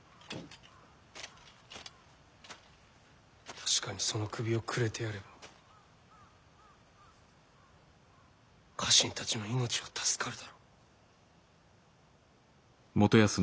確かにその首をくれてやれば家臣たちの命は助かるだろう。